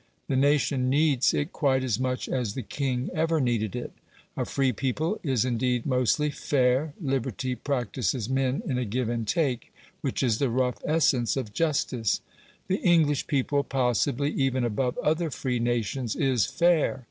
The nation needs it quite as much as the king ever needed it. A free people is indeed mostly fair, liberty practises men in a give and take, which is the rough essence of justice. The English people, possibly even above other free nations, is fair.